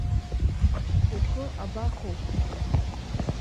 Ухы абахоу?